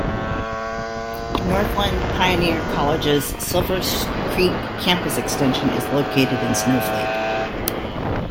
Northland Pioneer College's Silver Creek campus extension is located in Snowflake.